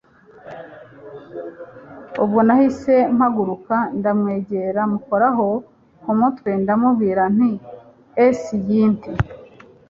ubwo nahise mpaguruka ndamwegera mukoraho kumutwe ndamubwira nti cynti